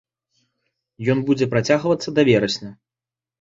Ён будзе працягвацца да верасня.